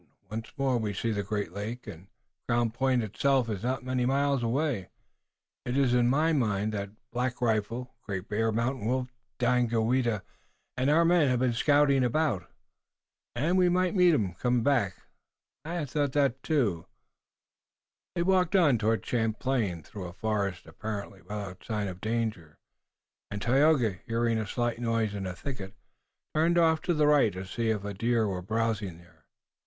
Once more we see the great lake, and Crown Point itself is not so many miles away. It is in my mind that Black Rifle, Great Bear, Mountain Wolf, Daganoweda and our men have been scouting about it." "And we might meet 'em coming back. I've had that thought too." They walked on toward Champlain, through a forest apparently without sign of danger, and Tayoga, hearing a slight noise in a thicket, turned off to the right to see if a deer were browsing there.